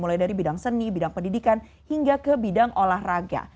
mulai dari bidang seni bidang pendidikan hingga ke bidang olahraga